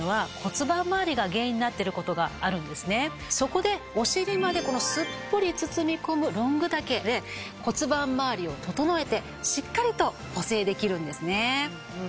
そこでお尻まですっぽり包み込むロング丈で骨盤まわりを整えてしっかりと補整できるんですね。